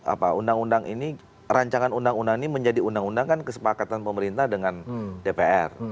apa undang undang ini rancangan undang undang ini menjadi undang undang kan kesepakatan pemerintah dengan dpr